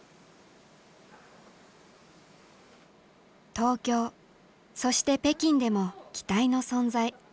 東京そして北京でも期待の存在。